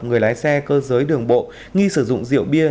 người lái xe cơ giới đường bộ nghi sử dụng rượu bia